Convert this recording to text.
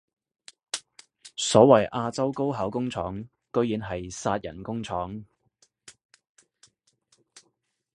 所謂亞洲高考工廠居然係殺人工廠